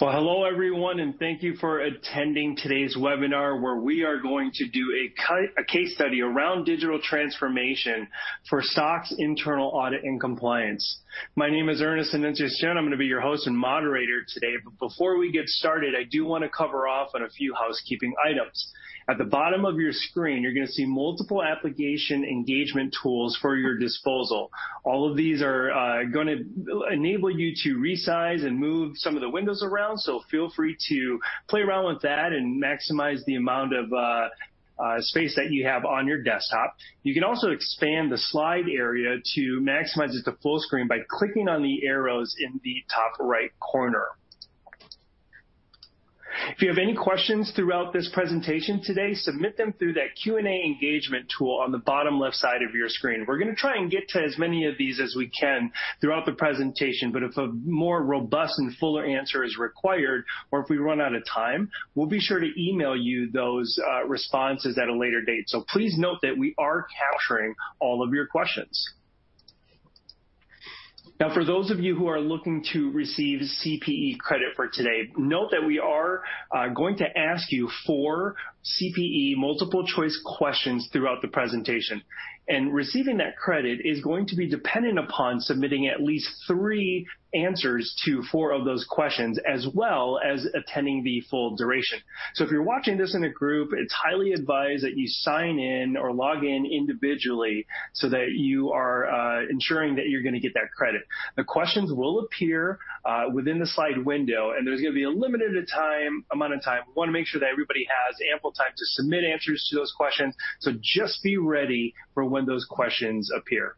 Well, hello everyone, and thank you for attending today's webinar where we are going to do a case study around digital transformation for SOX internal audit and compliance. My name is Ernest Anunciacion. I'm going to be your host and moderator today. Before we get started, I do want to cover off on a few housekeeping items. At the bottom of your screen, you're going to see multiple application engagement tools for your disposal. All of these are going to enable you to resize and move some of the windows around, so feel free to play around with that and maximize the amount of space that you have on your desktop. You can also expand the slide area to maximize it to full screen by clicking on the arrows in the top right corner. If you have any questions throughout this presentation today, submit them through that Q&A engagement tool on the bottom left side of your screen. We're going to try and get to as many of these as we can throughout the presentation, but if a more robust and fuller answer is required or if we run out of time, we'll be sure to email you those responses at a later date. So, please note that we are capturing all of your questions. Now, for those of you who are looking to receive CPE credit for today, note that we are going to ask you four CPE multiple choice questions throughout the presentation. Receiving that credit is going to be dependent upon submitting at least three answers to four of those questions, as well as attending the full duration. If you're watching this in a group, it's highly advised that you sign in or log in individually so that you are ensuring that you're going to get that credit. The questions will appear within the slide window, and there's going to be a limited amount of time. We want to make sure that everybody has ample time to submit answers to those questions, so just be ready for when those questions appear.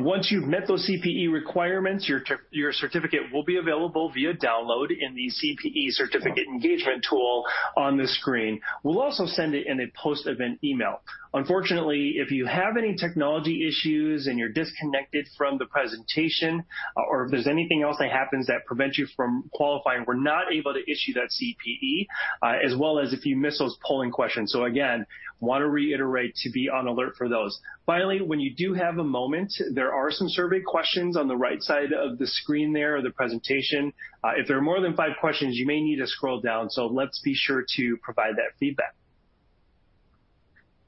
Once you've met those CPE requirements, your certificate will be available via download in the CPE certificate engagement tool on the screen. We'll also send it in a post-event email. Unfortunately, if you have any technology issues and you're disconnected from the presentation, or if there's anything else that happens that prevents you from qualifying, we're not able to issue that CPE, as well as if you miss those polling questions. Again, want to reiterate to be on alert for those. Finally, when you do have a moment, there are some survey questions on the right side of the screen there of the presentation. If there are more than five questions, you may need to scroll down. Let's be sure to provide that feedback.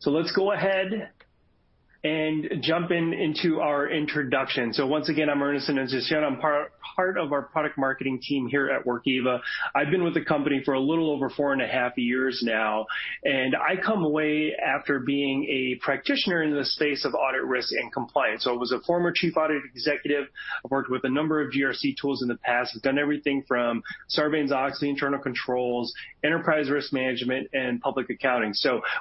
So, let's go ahead and jump into our introduction. Once again, I'm Ernest Anunciacion. I'm part of our product marketing team here at Workiva. I've been with the company for a little over four and a half years now, and I come away after being a practitioner in the space of audit risk and compliance. I was a former Chief Audit Executive. I've worked with a number of GRC tools in the past. I've done everything from Sarbanes-Oxley, internal controls, enterprise risk management, and public accounting.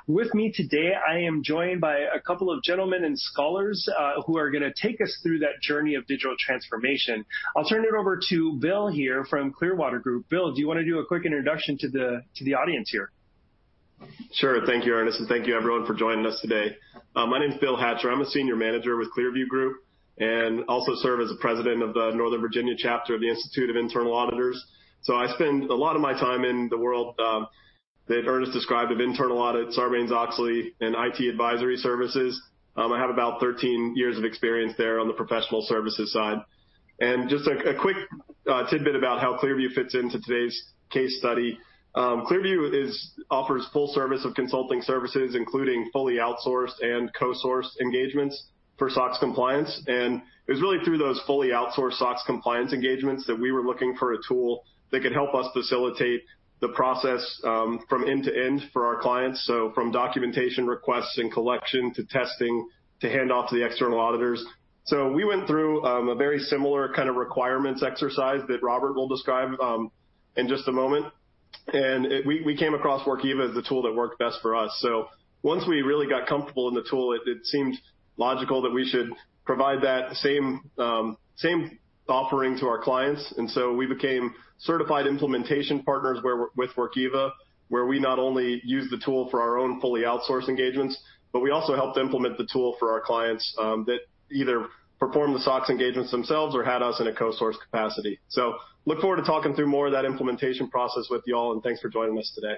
With me today, I am joined by a couple of gentlemen and scholars who are going to take us through that journey of digital transformation. I'll turn it over to Bill here from Clearview Group. Bill, do you want to do a quick introduction to the audience here? Sure. Thank you, Ernest, and thank you everyone for joining us today. My name's Bill Hatcher. I'm a Senior Manager with Clearview Group, and also serve as the president of the Northern Virginia chapter of the Institute of Internal Auditors. I spend a lot of my time in the world that Ernest described of internal audit, Sarbanes-Oxley, and IT advisory services. I have about 13 years of experience there on the professional services side. Just like a quick tidbit about how Clearview fits into today's case study. Clearview offers full service of consulting services, including fully outsourced and co-sourced engagements for SOX compliance. It was really through those fully outsourced SOX compliance engagements that we were looking for a tool that could help us facilitate the process from end to end for our clients. From documentation requests and collection, to testing, to handoff to the external auditors. So, we went through a very similar kind of requirements exercise that Robert will describe in just a moment. We came across Workiva as the tool that worked best for us. Once we really got comfortable in the tool, it seemed logical that we should provide that same offering to our clients. We became certified implementation partners with Workiva, where we not only use the tool for our own fully outsourced engagements, but we also helped implement the tool for our clients that either perform the SOX engagements themselves or had us in a co-source capacity. Look forward to talking through more of that implementation process with you all, and thanks for joining us today.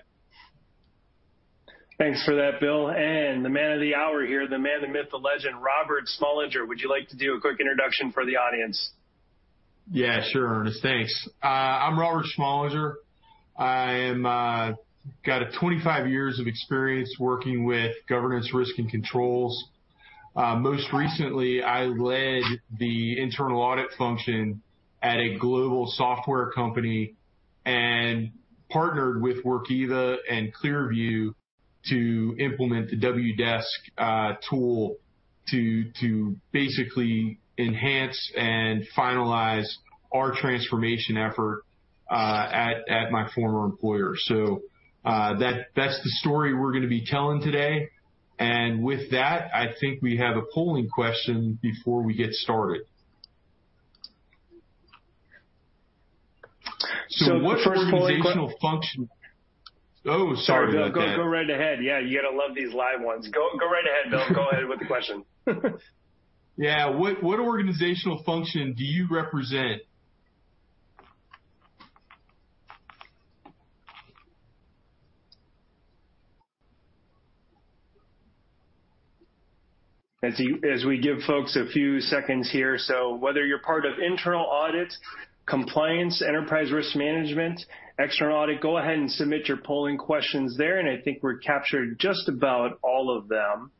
Thanks for that, Bill. The man of the hour here, the man, the myth, the legend, Robert Schmollinger. Would you like to do a quick introduction for the audience? Yeah, sure, Ernest. Thanks. I'm Robert Schmollinger. I am got 25 years of experience working with governance, risk, and controls. Most recently, I led the internal audit function at a global software company and partnered with Workiva and Clearview to implement the Wdesk tool to basically enhance and finalize our transformation effort at my former employer. So, that's the story we're going to be telling today. With that, I think we have a polling question before we get started. The first polling question. What organizational function? Oh, sorry about that. Go right ahead. Yeah, you got to love these live ones. Go right ahead, Bill. Go ahead with the question. Yeah. What organizational function do you represent? As we give folks a few seconds here. Whether you're part of internal audit, compliance, enterprise risk management, external audit, go ahead and submit your polling questions there, and I think we've captured just about all of them.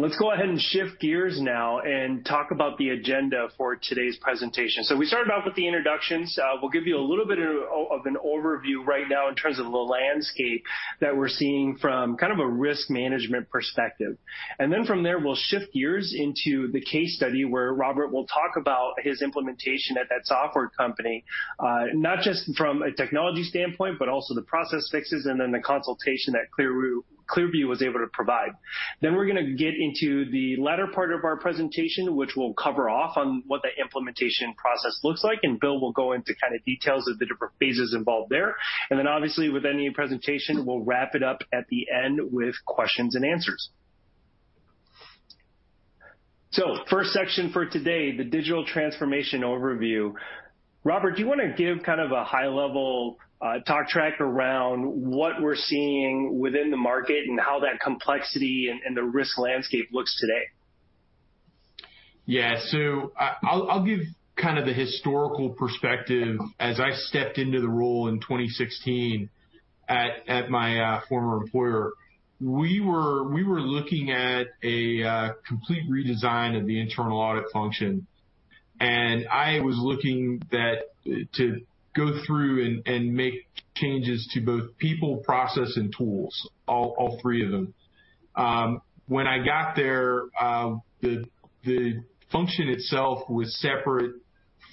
Let's go ahead and shift gears now and talk about the agenda for today's presentation. We started off with the introductions. We'll give you a little bit of an overview right now in terms of the landscape that we're seeing from kind of a risk management perspective. Then from there, we'll shift gears into the case study, where Robert will talk about his implementation at that software company, not just from a technology standpoint, but also the process fixes and then the consultation that Clearview was able to provide. We're going to get into the latter part of our presentation, which we'll cover off on what the implementation process looks like, and Bill will go into details of the different phases involved there. Obviously, with any presentation, we'll wrap it up at the end with questions and answers. First section for today, the digital transformation overview. Robert, do you want to give a high-level talk track around what we're seeing within the market and how that complexity and the risk landscape looks today? Yeah. I'll give the historical perspective. As I stepped into the role in 2016 at my former employer, we were looking at a complete redesign of the internal audit function, and I was looking that to go through and make changes to both people, process, and tools, all three of them. When I got there, the function itself was separate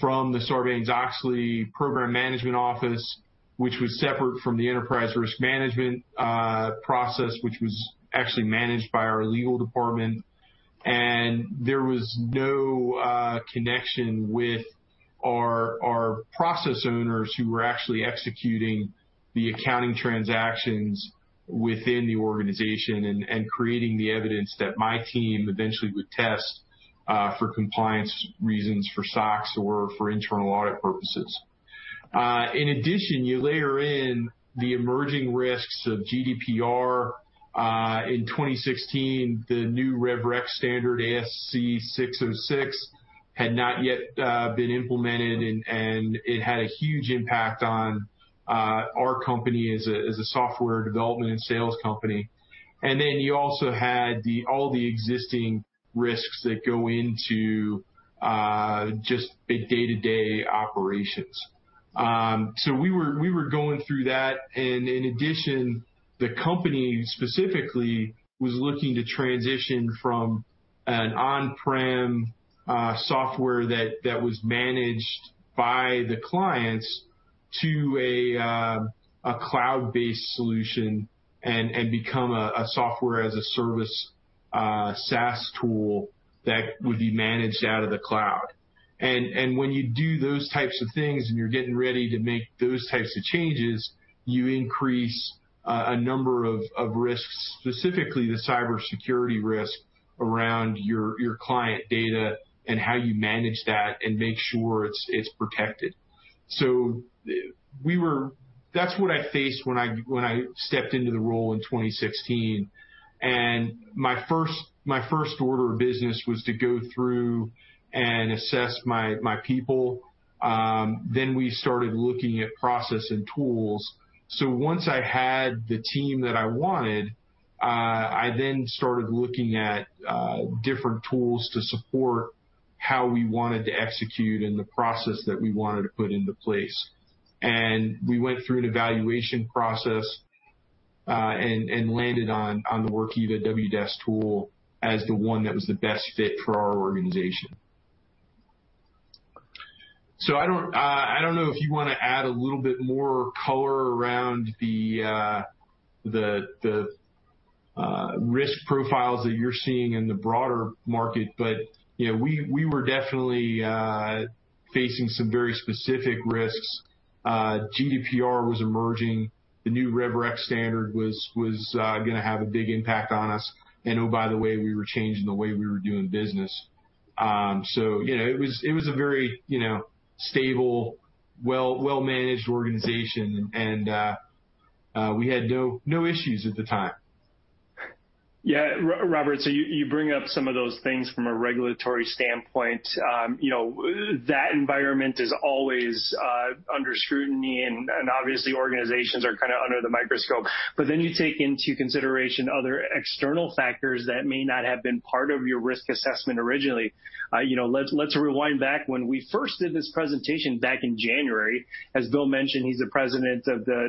from the Sarbanes-Oxley program management office, which was separate from the enterprise risk management process, which was actually managed by our legal department. There was no connection with our process owners who were actually executing the accounting transactions within the organization and creating the evidence that my team eventually would test for compliance reasons for SOX or for internal audit purposes. In addition, you layer in the emerging risks of GDPR in 2016. The new rev rec standard, ASC 606, had not yet been implemented, and it had a huge impact on our company as a software development and sales company. Then, you also had all the existing risks that go into just the day-to-day operations. We were going through that, and in addition, the company specifically was looking to transition from an on-prem software that was managed by the clients to a cloud-based solution and become a software-as-a-service, SaaS tool, that would be managed out of the cloud. When you do those types of things and you're getting ready to make those types of changes, you increase a number of risks, specifically the cybersecurity risk around your client data and how you manage that and make sure it's protected. So, that's what I faced when I stepped into the role in 2016, and my first order of business was to go through and assess my people. We started looking at process and tools. Once I had the team that I wanted, I then started looking at different tools to support how we wanted to execute and the process that we wanted to put into place. We went through an evaluation process, landed on the Workiva Wdesk tool as the one that was the best fit for our organization. I don't know if you want to add a little bit more color around the risk profiles that you're seeing in the broader market, we were definitely facing some very specific risks. GDPR was emerging. The new rev rec standard was going to have a big impact on us. Oh, by the way, we were changing the way we were doing business. It was a very stable, well-managed organization, and we had no issues at the time. Yeah. Robert, you bring up some of those things from a regulatory standpoint. You know, that environment is always under scrutiny, and obviously, organizations are under the microscope. But then, you take into consideration other external factors that may not have been part of your risk assessment originally. Let's rewind back. When we first did this presentation back in January, as Bill mentioned, he's the president of the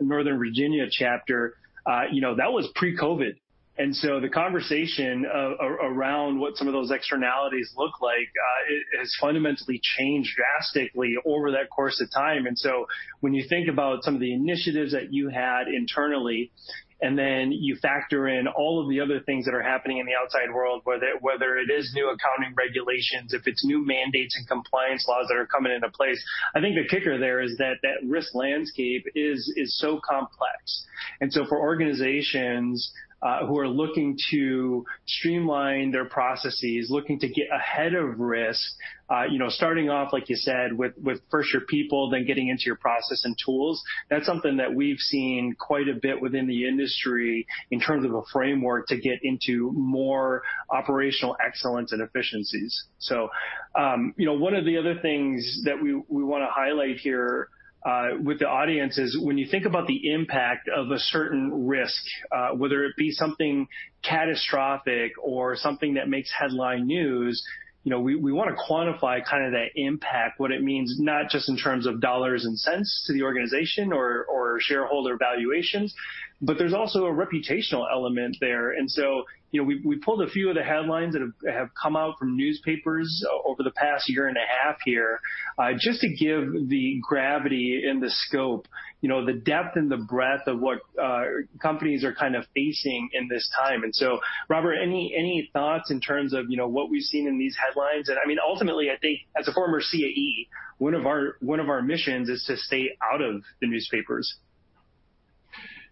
Northern Virginia chapter. That was pre-COVID, and so, the conversation around what some of those externalities look like has fundamentally changed drastically over that course of time. When you think about some of the initiatives that you had internally, and then you factor in all of the other things that are happening in the outside world, whether it is new accounting regulations, if it's new mandates and compliance laws that are coming into place, I think the kicker there is that risk landscape is so complex. For organizations who are looking to streamline their processes, looking to get ahead of risk, starting off, like you said, with first your people, then getting into your process and tools, that's something that we've seen quite a bit within the industry in terms of a framework to get into more operational excellence and efficiencies. One of the other things that we want to highlight here with the audience is when you think about the impact of a certain risk, whether it be something catastrophic or something that makes headline news, we want to quantify that impact, what it means, not just in terms of dollars and cents to the organization or shareholder valuations, but there's also a reputational element there. So, we pulled a few of the headlines that have come out from newspapers over the past year and a half here, just to give the gravity and the scope, the depth and the breadth of what companies are facing in this time. Robert, any thoughts in terms of what we've seen in these headlines? Ultimately, I think as a former CAE, one of our missions is to stay out of the newspapers.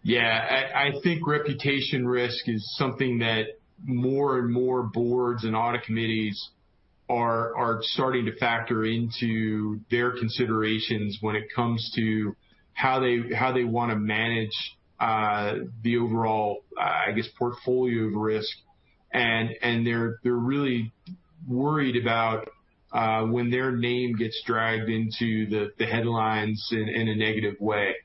Yeah. I think reputation risk is something that more and more boards and audit committees are starting to factor into their considerations when it comes to how they want to manage the overall, I guess, portfolio of risk. They're really worried about when their name gets dragged into the headlines in a negative way.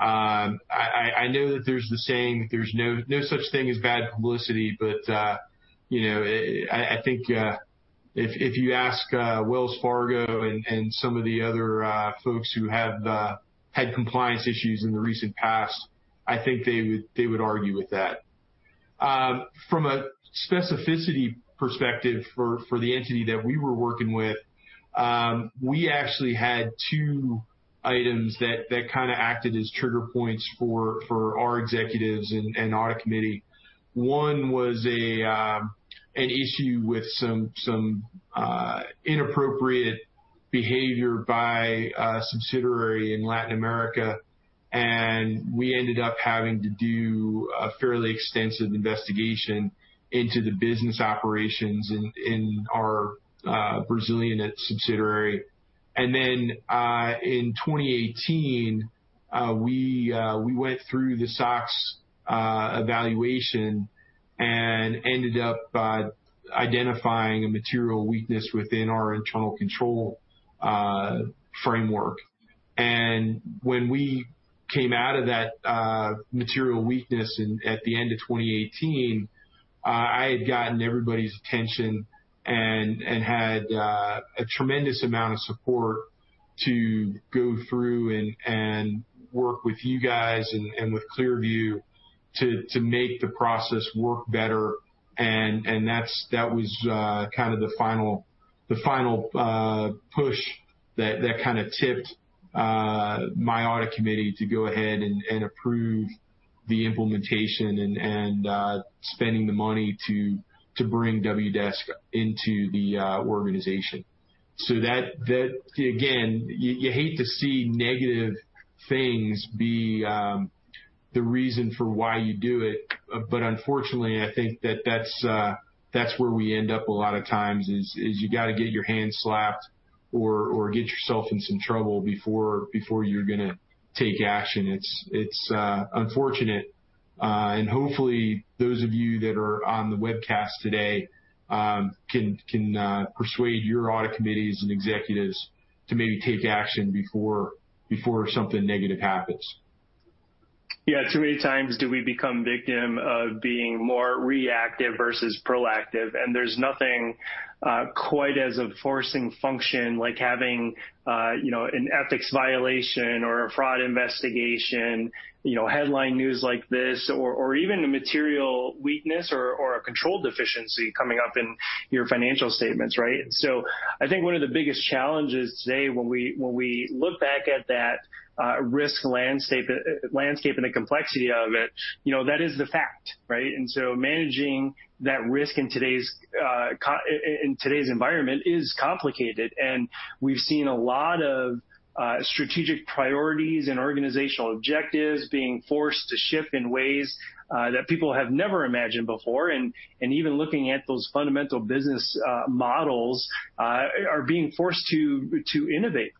I know that there's the saying that there's no such thing as bad publicity, but I think if you ask Wells Fargo and some of the other folks who have had compliance issues in the recent past, I think they would argue with that. From a specificity perspective for the entity that we were working with, we actually had two items that acted as trigger points for our executives and audit committee. One was an issue with some inappropriate behavior by a subsidiary in Latin America, and we ended up having to do a fairly extensive investigation into the business operations in our Brazilian subsidiary. Then, in 2018, we went through the SOX evaluation and ended up identifying a material weakness within our internal control framework. When we came out of that material weakness at the end of 2018, I had gotten everybody's attention and had a tremendous amount of support to go through and work with you guys and with Clearview to make the process work better, and that was the final push that tipped my audit committee to go ahead and approve the implementation and spending the money to bring Wdesk into the organization. That, again, you hate to see negative things be the reason for why you do it. But unfortunately, I think that's where we end up a lot of times is you got to get your hand slapped or get yourself in some trouble before you're going to take action. It's unfortunate, hopefully those of you that are on the webcast today can persuade your audit committees and executives to maybe take action before something negative happens. Yeah. Too many times do we become victim of being more reactive versus proactive. There's nothing quite as a forcing function like having an ethics violation or a fraud investigation, you know, headline news like this, or even a material weakness or a control deficiency coming up in your financial statements, right? I think one of the biggest challenges today when we look back at that risk landscape and the complexity of it, that is the fact. Right? Managing that risk in today's environment is complicated, and we've seen a lot of strategic priorities and organizational objectives being forced to shift in ways that people have never imagined before. Even looking at those fundamental business models are being forced to innovate.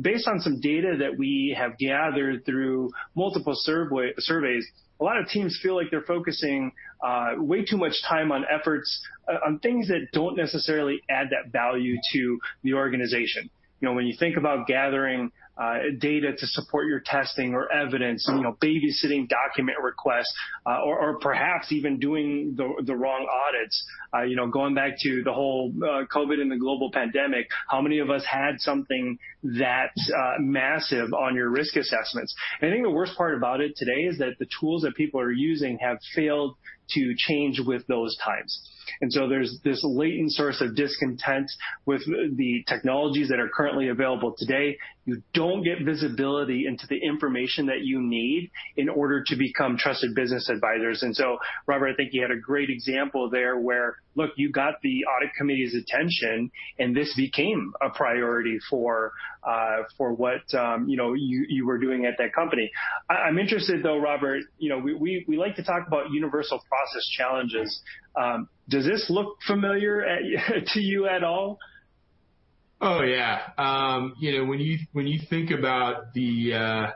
Based on some data that we have gathered through multiple surveys, a lot of teams feel like they're focusing way too much time on efforts on things that don't necessarily add that value to the organization. When you think about gathering data to support your testing or evidence, babysitting document requests, or perhaps even doing the wrong audits, going back to the whole COVID and the global pandemic, how many of us had something that massive on your risk assessments? I think the worst part about it today is that the tools that people are using have failed to change with those times. There's this latent source of discontent with the technologies that are currently available today. You don't get visibility into the information that you need in order to become trusted business advisors. So, Robert, I think you had a great example there where, look, you got the audit committee's attention, and this became a priority for what you were doing at that company. I'm interested though, Robert, you know, we like to talk about universal process challenges. Does this look familiar to you at all? Oh, yeah. When you think about the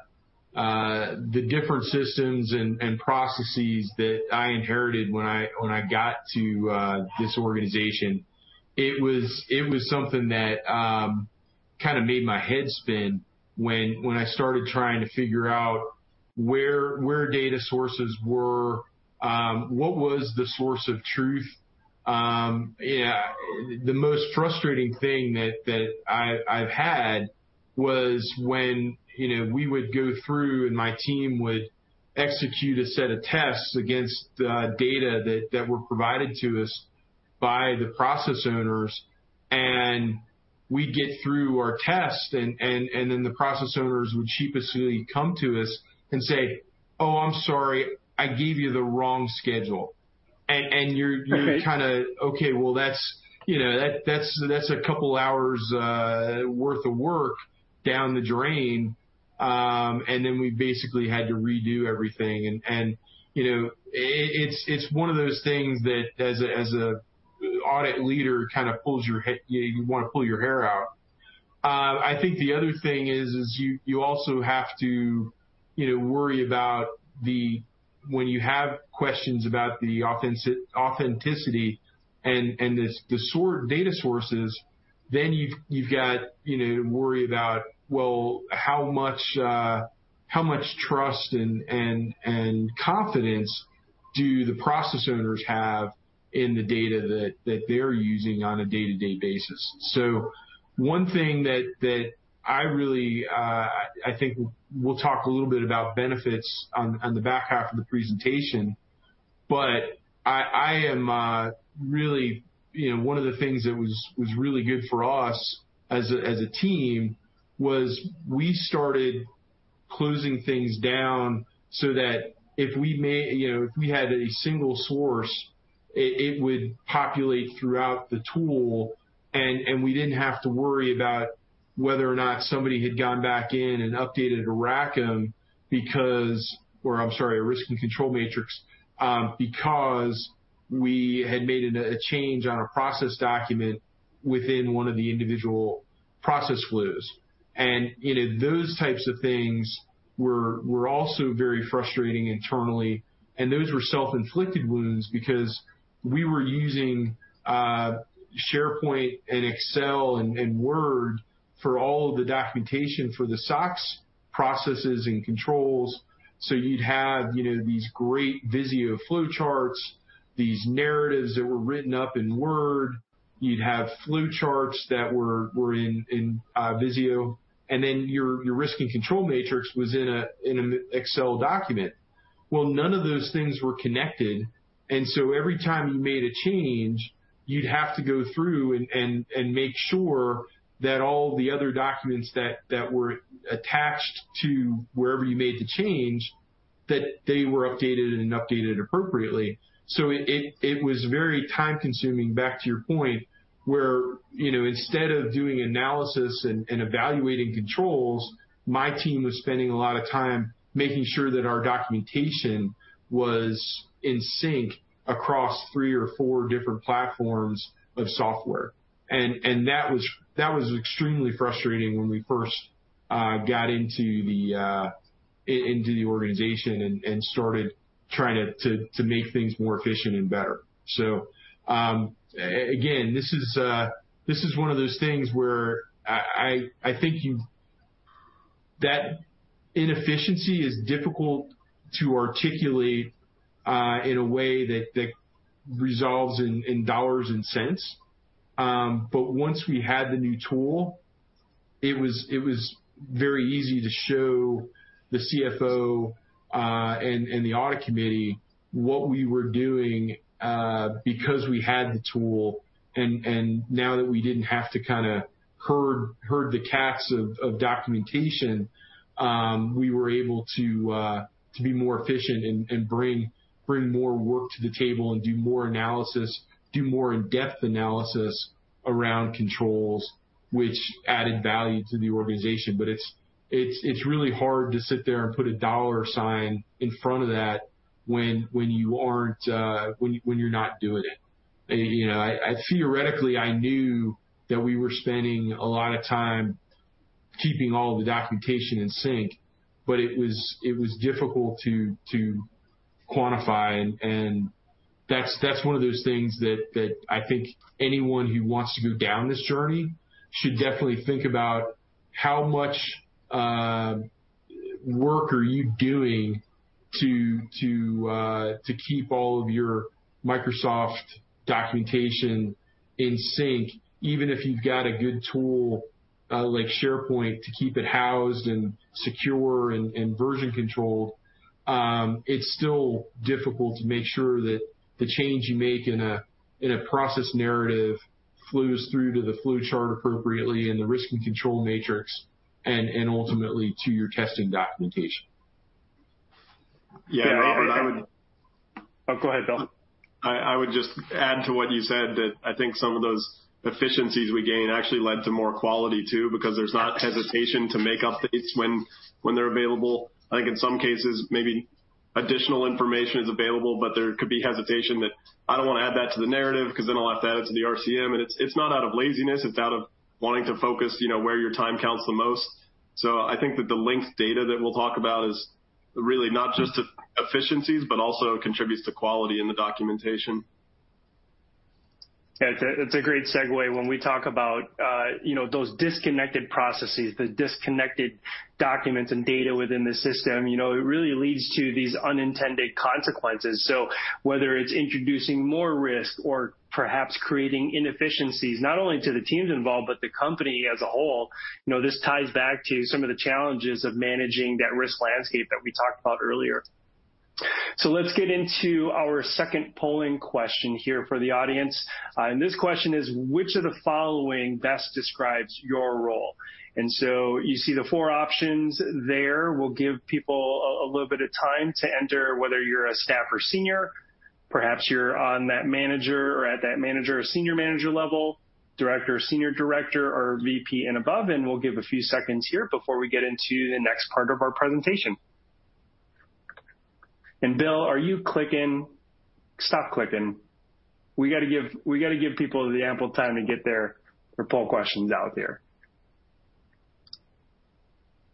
different systems and processes that I inherited when I got to this organization, it was something that made my head spin when I started trying to figure out where data sources were, what was the source of truth? The most frustrating thing that I've had was when we would go through and my team would execute a set of tests against the data that were provided to us by the process owners, and we'd get through our test, and then the process owners would sheepishly come to us and say, "Oh, I'm sorry. I gave you the wrong schedule. Okay Kind of, okay, well, that's a couple of hours worth of work down the drain. Then we basically had to redo everything and you know, it's one of those things that as an audit leader, you want to pull your hair out. I think the other thing is, you also have to worry about when you have questions about the authenticity and the data sources, then you've got to worry about, well, how much trust and confidence do the process owners have in the data that they're using on a day-to-day basis. One thing that I really, I think we'll talk a little bit about benefits on the back half of the presentation, but one of the things that was really good for us as a team was we started closing things down so that if we had a single source, it would populate throughout the tool, and we didn't have to worry about whether or not somebody had gone back in and updated a RACM because, or I'm sorry, a risk and control matrix, because we had made a change on a process document within one of the individual process flows. Those types of things were also very frustrating internally, and those were self-inflicted wounds because we were using SharePoint and Excel and Word for all of the documentation for the SOX processes and controls. You'd have these great Visio flow charts, these narratives that were written up in Word. You'd have flow charts that were in Visio, and then your risk and control matrix was in an Excel document. Well, none of those things were connected, every time you made a change, you'd have to go through and make sure that all the other documents that were attached to wherever you made the change, that they were updated and updated appropriately. It was very time-consuming, back to your point, where instead of doing analysis and evaluating controls, my team was spending a lot of time making sure that our documentation was in sync across three or four different platforms of software. That was extremely frustrating when we first got into the organization and started trying to make things more efficient and better. So again, this is one of those things where I think that inefficiency is difficult to articulate in a way that resolves in dollars and cents. Once we had the new tool, it was very easy to show the CFO and the audit committee what we were doing, because we had the tool, and now that we didn't have to herd the cats of documentation, we were able to be more efficient and bring more work to the table and do more analysis, do more in-depth analysis around controls, which added value to the organization. It's really hard to sit there and put a dollar sign in front of that when you're not doing it. Theoretically, I knew that we were spending a lot of time keeping all the documentation in sync, but it was difficult to quantify, and that's one of those things that I think anyone who wants to go down this journey should definitely think about how much work are you doing to keep all of your Microsoft documentation in sync. Even if you've got a good tool like SharePoint to keep it housed and secure and version-controlled, it's still difficult to make sure that the change you make in a process narrative flows through to the flow chart appropriately and the risk and control matrix, and ultimately to your testing documentation. Yeah, Robert. Oh, go ahead, Bill. I would just add to what you said that I think some of those efficiencies we gained actually led to more quality, too, because there's not hesitation to make updates when they're available. I think in some cases, maybe additional information is available, but there could be hesitation that I don't want to add that to the narrative because then I'll have to add it to the RCM, and it's not out of laziness. It's out of wanting to focus where your time counts the most. So, I think that the linked data that we'll talk about is really not just efficiencies, but also contributes to quality in the documentation. That's a great segue when we talk about those disconnected processes, the disconnected documents and data within the system. It really leads to these unintended consequences. Whether it's introducing more risk or perhaps creating inefficiencies, not only to the teams involved, but the company as a whole, this ties back to some of the challenges of managing that risk landscape that we talked about earlier. Let's get into our second polling question here for the audience. This question is, which of the following best describes your role? And so you see the four options there. We'll give people a little bit of time to enter whether you're a Staff or Senior, perhaps you're at that Manager or Senior Manager level, Director or Senior Director, or VP and above. We'll give a few seconds here before we get into the next part of our presentation. Bill, are you clicking? Stop clicking. We got to give people the ample time to get their poll questions out there.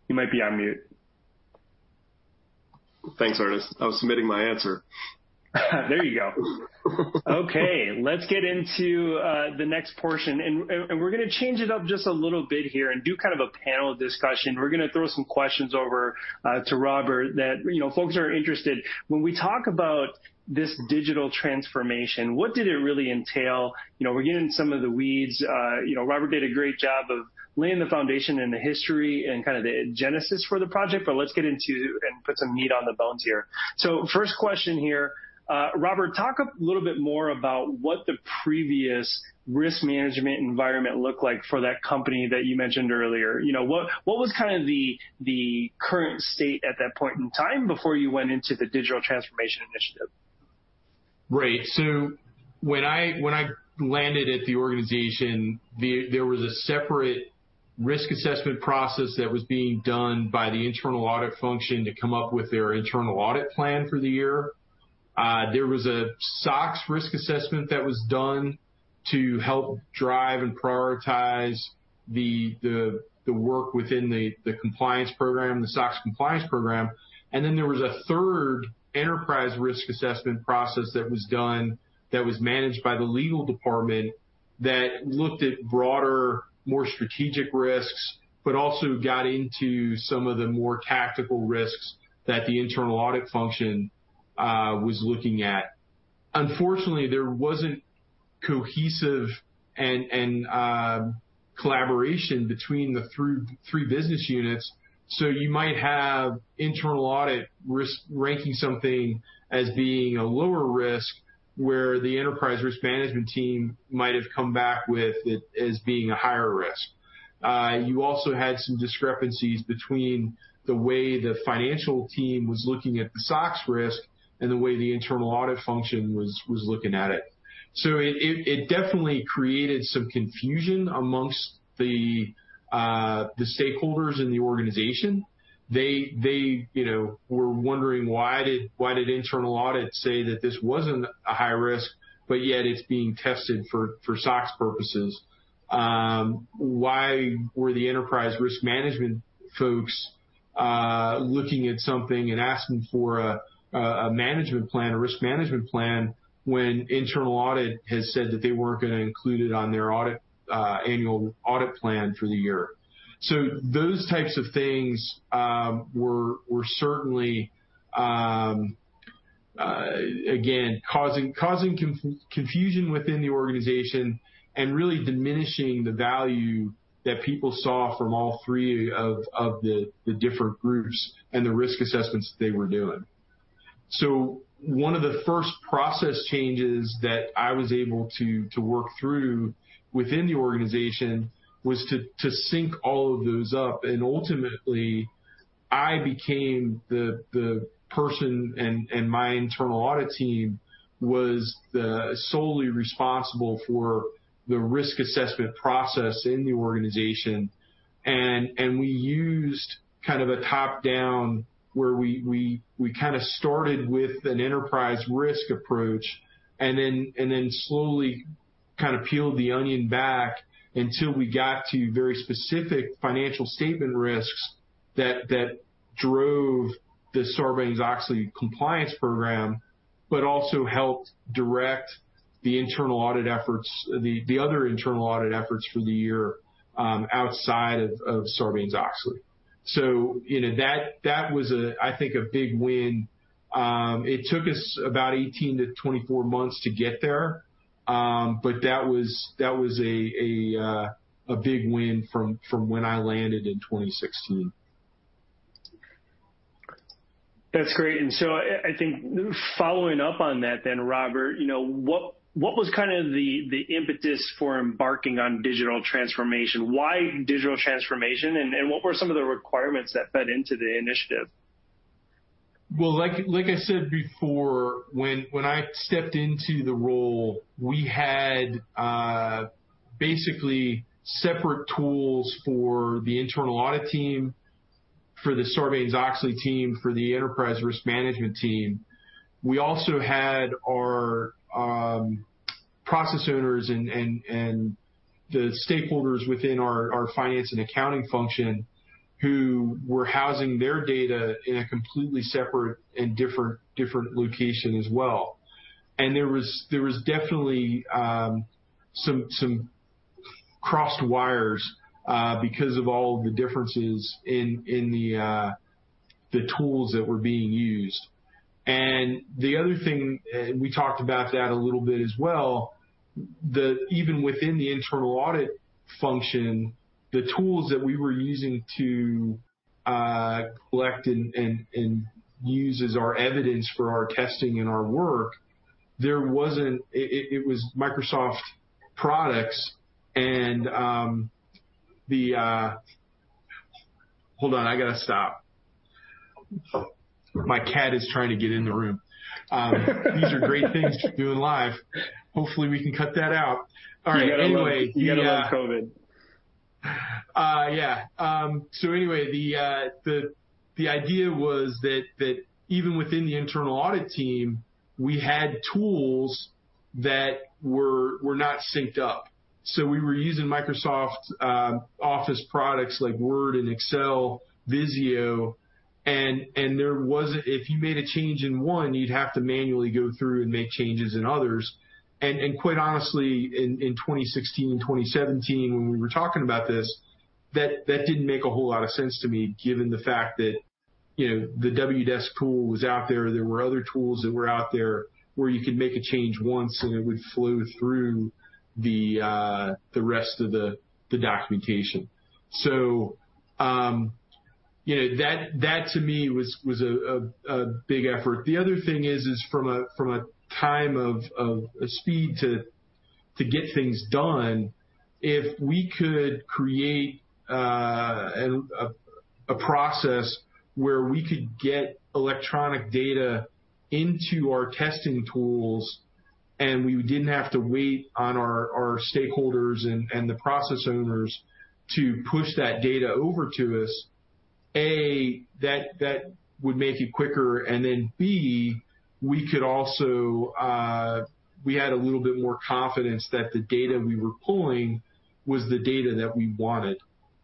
You might be on mute. Thanks, Ernest. I was submitting my answer. There you go. Okay, let's get into the next portion, and we're going to change it up just a little bit here and do a panel discussion. We're going to throw some questions over to Robert that folks are interested in. When we talk about this digital transformation, what did it really entail? We're getting in some of the weeds. Robert did a great job of laying the foundation and the history and the genesis for the project, but let's get into and put some meat on the bones here. So first question here, Robert, talk a little bit more about what the previous risk management environment looked like for that company that you mentioned earlier. What was the current state at that point in time before you went into the digital transformation initiative? Right. When I landed at the organization, there was a separate risk assessment process that was being done by the internal audit function to come up with their internal audit plan for the year. There was a SOX risk assessment that was done to help drive and prioritize the work within the compliance program, the SOX compliance program. Then there was a third enterprise risk assessment process that was done that was managed by the legal department that looked at broader, more strategic risks, but also got into some of the more tactical risks that the internal audit function was looking at. Unfortunately, there wasn't cohesive and collaboration between the three business units. So you might have internal audit risk ranking something as being a lower risk, where the enterprise risk management team might have come back with it as being a higher risk. You also had some discrepancies between the way the financial team was looking at the SOX risk and the way the internal audit function was looking at it. It definitely created some confusion amongst the stakeholders in the organization. They were wondering why did internal audit say that this wasn't a high risk, but yet it's being tested for SOX purposes? Why were the enterprise risk management folks looking at something and asking for a risk management plan when internal audit has said that they weren't going to include it on their annual audit plan for the year? So those types of things were certainly, again, causing confusion within the organization and really diminishing the value that people saw from all three of the different groups and the risk assessments that they were doing. One of the first process changes that I was able to work through within the organization was to sync all of those up, and ultimately, I became the person, and my internal audit team was solely responsible for the risk assessment process in the organization. We used a top-down where we started with an enterprise risk approach, and then slowly peeled the onion back until we got to very specific financial statement risks that drove the Sarbanes-Oxley compliance program, but also helped direct the other internal audit efforts for the year outside of Sarbanes-Oxley. That was, I think, a big win. It took us about 18 months-24 months to get there, but that was a big win from when I landed in 2016. That's great. I think following up on that then, Robert, what was the impetus for embarking on digital transformation? Why digital transformation, what were some of the requirements that fed into the initiative? Well, like I said before, when I stepped into the role, we had basically separate tools for the internal audit team, for the Sarbanes-Oxley team, for the enterprise risk management team. We also had our process owners and the stakeholders within our finance and accounting function who were housing their data in a completely separate and different location as well. There was definitely some crossed wires because of all the differences in the tools that were being used. The other thing, and we talked about that a little bit as well, that even within the internal audit function, the tools that we were using to collect and use as our evidence for our testing and our work, it was Microsoft products. Hold on, I got to stop. My cat is trying to get in the room. These are great things to do live. Hopefully, we can cut that out. All right. You got to love COVID. Yeah. Anyway, the idea was that even within the internal audit team, we had tools that were not synced up. So, we were using Microsoft Office products like Word and Excel, Visio, and if you made a change in one, you'd have to manually go through and make changes in others. Quite honestly, in 2016 and 2017, when we were talking about this, that didn't make a whole lot of sense to me, given the fact that the Wdesk tool was out there were other tools that were out there where you could make a change once and it would flow through the rest of the documentation. That to me was a big effort. The other thing is from a time of a speed to get things done, if we could create a process where we could get electronic data into our testing tools and we didn't have to wait on our stakeholders and the process owners to push that data over to us, A, that would make it quicker, and then B, we could also, we had a little bit more confidence that the data we were pulling was the data that we wanted,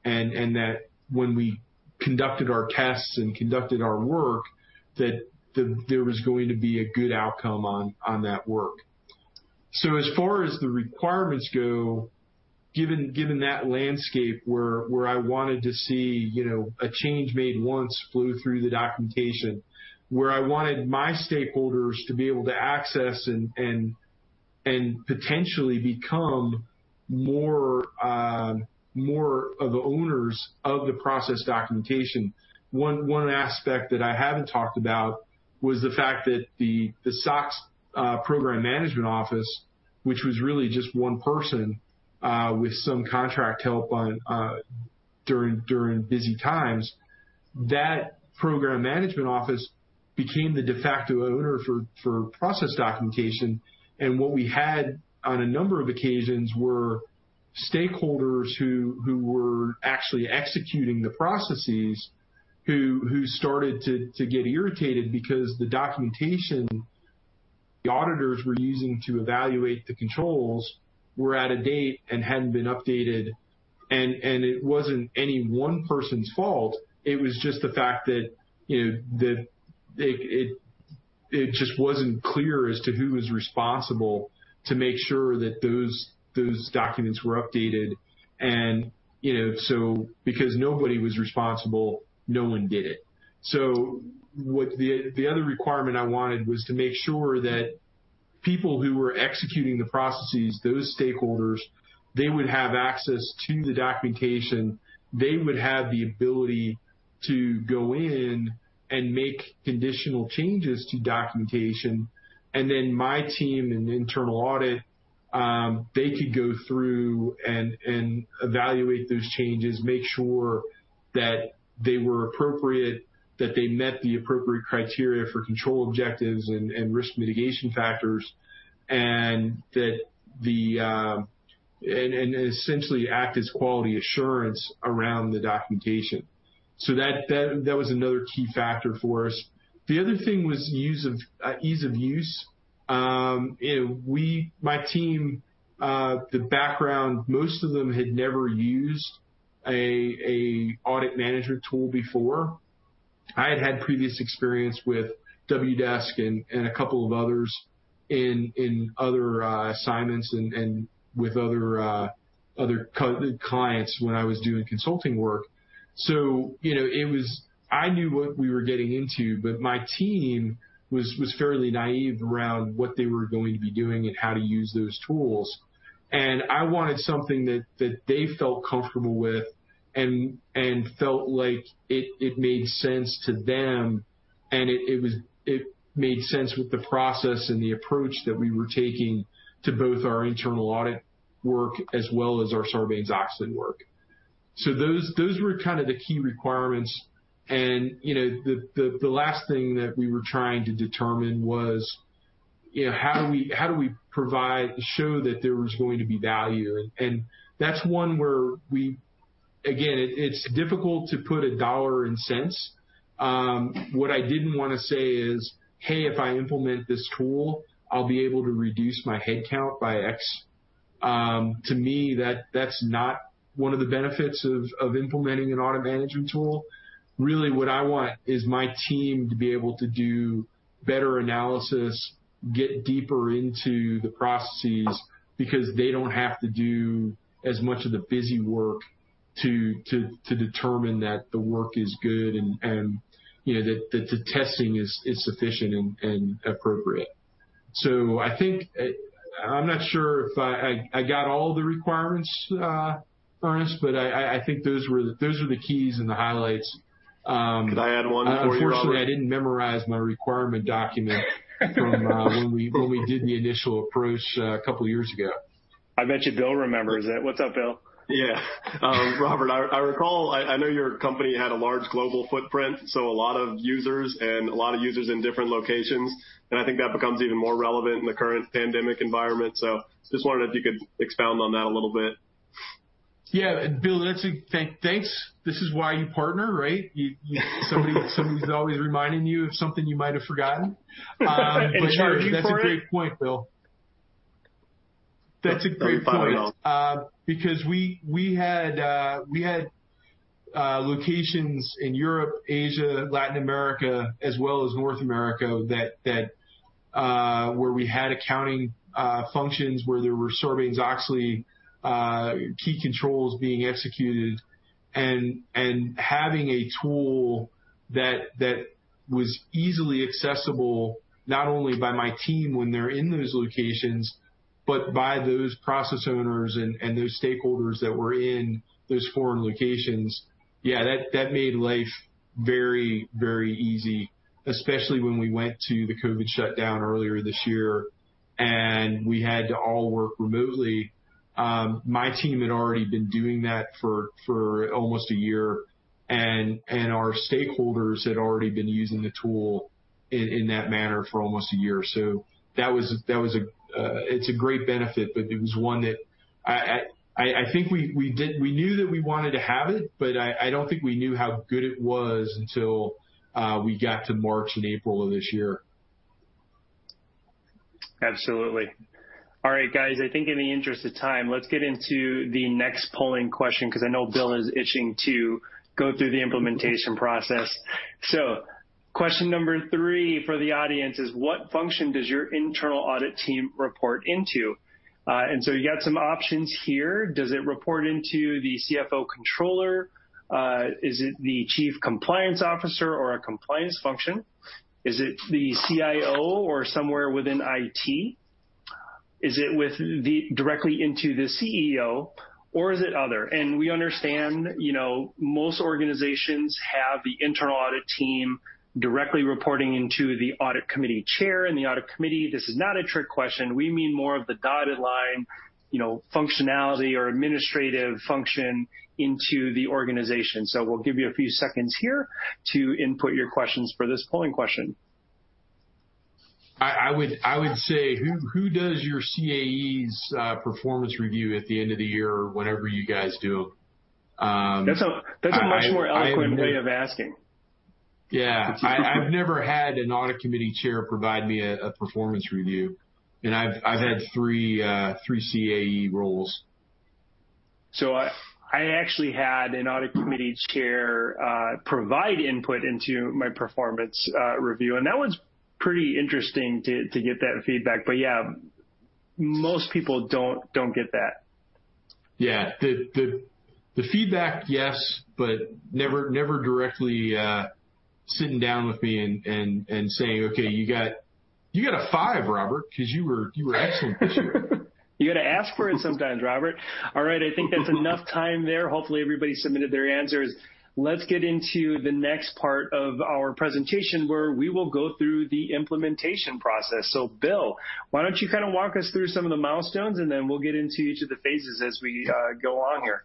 and that when we conducted our tests and conducted our work, that there was going to be a good outcome on that work. As far as the requirements go, given that landscape where I wanted to see a change made once flew through the documentation, where I wanted my stakeholders to be able to access and potentially become more of the owners of the process documentation. One aspect that I haven't talked about was the fact that the SOX program management office, which was really just one person with some contract help during busy times, that program management office became the de facto owner for process documentation. What we had on a number of occasions were stakeholders who were actually executing the processes, who started to get irritated because the documentation the auditors were using to evaluate the controls were out of date and hadn't been updated. It wasn't any one person's fault, it was just the fact that it just wasn't clear as to who was responsible to make sure that those documents were updated. So, because nobody was responsible, no one did it. The other requirement I wanted was to make sure that people who were executing the processes, those stakeholders, they would have access to the documentation. They would have the ability to go in and make conditional changes to documentation, and then my team in the internal audit, they could go through and evaluate those changes, make sure that they were appropriate, that they met the appropriate criteria for control objectives and risk mitigation factors, and essentially act as quality assurance around the documentation. That was another key factor for us. The other thing was ease of use. My team, the background, most of them had never used an audit management tool before. I had had previous experience with Wdesk and a couple of others in other assignments and with other clients when I was doing consulting work. I knew what we were getting into, but my team was fairly naive around what they were going to be doing and how to use those tools. I wanted something that they felt comfortable with and felt like it made sense to them, and it made sense with the process and the approach that we were taking to both our internal audit work as well as our Sarbanes-Oxley work. Those were kind of the key requirements. The last thing that we were trying to determine was, how do we show that there was going to be value? That's one where Again, it's difficult to put a dollar and cents. What I didn't want to say is, "Hey, if I implement this tool, I'll be able to reduce my head count by X." To me, that's not one of the benefits of implementing an audit management tool. Really, what I want is my team to be able to do better analysis, get deeper into the processes because they don't have to do as much of the busy work to determine that the work is good and that the testing is sufficient and appropriate. So I think, I'm not sure if I got all the requirements, Ernest, but I think those were the keys and the highlights. Could I add one for you, Robert? Unfortunately, I didn't memorize my requirement document from when we did the initial approach a couple of years ago. I bet you Bill remembers it. What's up, Bill? Yeah. Robert, I recall, I know your company had a large global footprint, so a lot of users in different locations, and I think that becomes even more relevant in the current pandemic environment. So, just wondered if you could expound on that a little bit. Yeah. Bill, thanks. This is why you partner, right? Somebody's always reminding you of something you might have forgotten. Charging for it. Sure, that's a great point, Bill. That's a great point. That'll be $5. Because we had locations in Europe, Asia, Latin America, as well as North America, where we had accounting functions, where there were Sarbanes-Oxley key controls being executed, and having a tool that was easily accessible, not only by my team when they're in those locations, but by those process owners and those stakeholders that were in those foreign locations, yeah, that made life very, very easy, especially when we went to the COVID shutdown earlier this year, and we had to all work remotely. My team had already been doing that for almost a year, and our stakeholders had already been using the tool in that manner for almost a year. It's a great benefit, but it was one that I think we knew that we wanted to have it, but I don't think we knew how good it was until we got to March and April of this year. Absolutely. All right, guys, I think in the interest of time, let's get into the next polling question because I know Bill is itching to go through the implementation process. So, question number three for the audience is, what function does your internal audit team report into? You got some options here. Does it report into the CFO/controller? Is it the Chief Compliance Officer or a compliance function? Is it the CIO or somewhere within IT? Is it directly into the CEO, or is it other? We understand most organizations have the internal audit team directly reporting into the audit committee chair and the audit committee. This is not a trick question. We mean more of the dotted line functionality or administrative function into the organization. We'll give you a few seconds here to input your questions for this polling question. I would say, who does your CAE's performance review at the end of the year or whenever you guys do them? That's a much more eloquent way of asking. Yeah. I've never had an audit committee chair provide me a performance review, and I've had three CAE roles. I actually had an audit committee chair provide input into my performance review, and that was pretty interesting to get that feedback. But yeah, most people don't get that. Yeah. The feedback, yes, but never directly sitting down with me and saying, "Okay, you got a five, Robert, because you were excellent this year. You got to ask for it sometimes, Robert. All right. I think that's enough time there. Hopefully, everybody submitted their answers. Let's get into the next part of our presentation, where we will go through the implementation process. Bill, why don't you walk us through some of the milestones, and then we'll get into each of the phases as we go on here.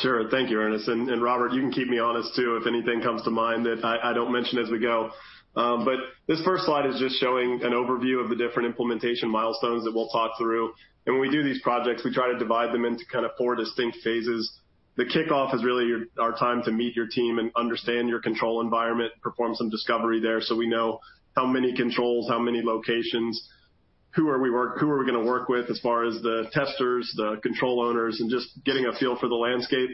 Sure. Thank you, Ernest. Robert, you can keep me honest, too, if anything comes to mind that I don't mention as we go. But this first slide is just showing an overview of the different implementation milestones that we'll talk through. When we do these projects, we try to divide them into four distinct phases. The kickoff is really our time to meet your team and understand your control environment, perform some discovery there, so we know how many controls, how many locations, who are we going to work with as far as the testers, the control owners, and just getting a feel for the landscape.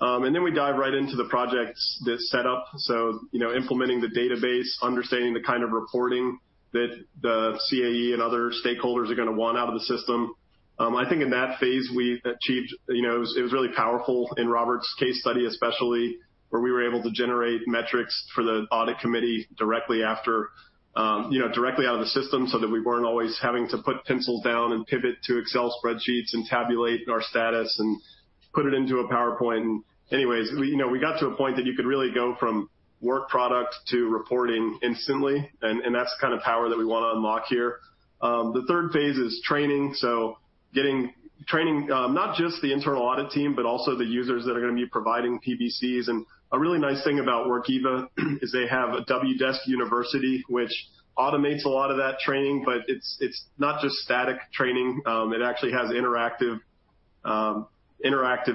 We dive right into the project setup, so implementing the database, understanding the kind of reporting that the CAE and other stakeholders are going to want out of the system. I think in that phase, it was really powerful in Robert's case study, especially, where we were able to generate metrics for the audit committee directly out of the system so that we weren't always having to put pencils down and pivot to Excel spreadsheets and tabulate our status and put it into a PowerPoint. Anyways, we got to a point that you could really go from work product to reporting instantly, and that's the kind of power that we want to unlock here. The third phase is training, so training not just the internal audit team, but also the users that are going to be providing PBCs. A really nice thing about Workiva is they have a Wdesk University, which automates a lot of that training, but it's not just static training. It actually has interactive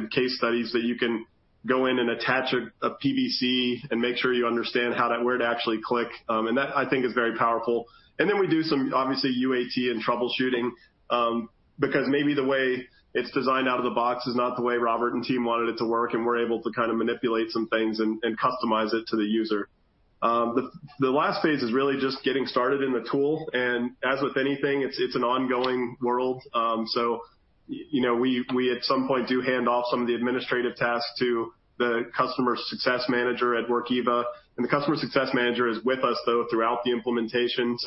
case studies that you can go in and attach a PBC and make sure you understand where to actually click. That, I think, is very powerful. Then we do some, obviously, UAT and troubleshooting, because maybe the way it's designed out of the box is not the way Robert and team wanted it to work, and we're able to manipulate some things and customize it to the user. The last phase is really just getting started in the tool. As with anything, it's an ongoing world. So, we at some point do hand off some of the administrative tasks to the customer success manager at Workiva. The customer success manager is with us, though, throughout the implementation.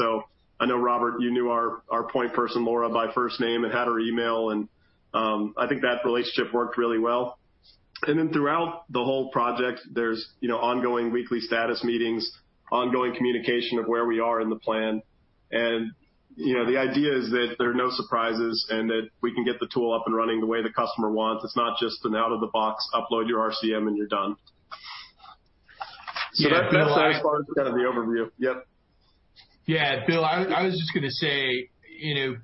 I know, Robert, you knew our point person, Laura, by first name and had her email, and I think that relationship worked really well. Throughout the whole project, there's ongoing weekly status meetings, ongoing communication of where we are in the plan. The idea is that there are no surprises, and that we can get the tool up and running the way the customer wants. It's not just an out-of-the-box upload your RCM and you're done. That last part is the overview. Yep. Yeah. Bill, I was just going to say, if